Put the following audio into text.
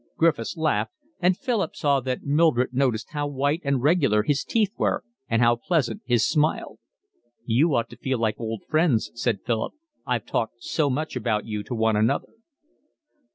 Griffiths laughed, and Philip saw that Mildred noticed how white and regular his teeth were and how pleasant his smile. "You ought to feel like old friends," said Philip. "I've talked so much about you to one another."